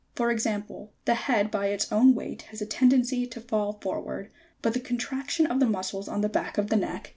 For example, the head by its own weight has a tendency to fall forward, but the contraction of the muscles on the back of the neck keep it erect.